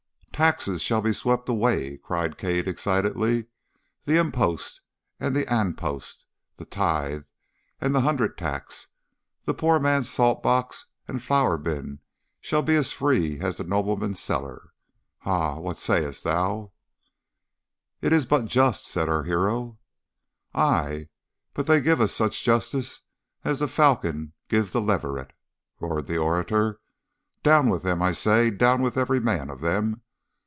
"'Taxes shall be swept away!' cried Cade excitedly 'the impost and the anpost the tithe and the hundred tax. The poor man's salt box and flour bin shall be as free as the nobleman's cellar. Ha! what sayest thou?' "'It is but just,' said our hero. "'Ay, but they give us such justice as the falcon gives the leveret!' roared the orator. 'Down with them, I say down with every man of them!